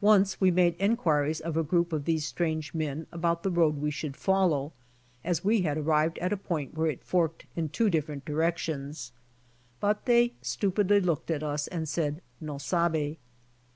Once « we made enquiries of a group of these strange men about the road we should follow, as we had arrived at a point where it forked in two ditferent directions. But they stupidly looked at us and said, "Noi sabby."